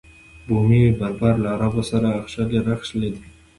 بومي بربر له عربو سره اخښلي راخښلي دي.